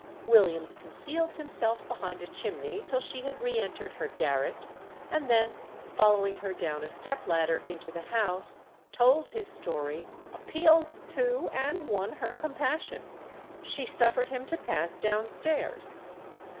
Williams concealed himself behind a chimney till she had re entered her garret, and then following her down a step ladder into the house, told his story, appealed to and won her compassion. She suffered him to pass downstairs.